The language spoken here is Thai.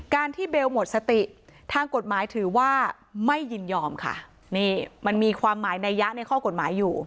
ที่เบลหมดสติทางกฎหมายถือว่าไม่ยินยอมค่ะนี่มันมีความหมายในยะในข้อกฎหมายอยู่